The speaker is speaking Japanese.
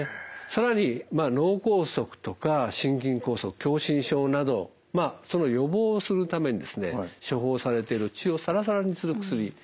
更に脳梗塞とか心筋梗塞狭心症などその予防をするために処方されている血をサラサラにする薬